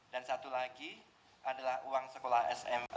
dan satu lagi adalah uang sekolah sm